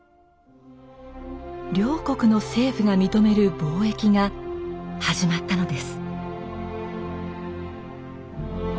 両国の政府が認める貿易が始まったのです。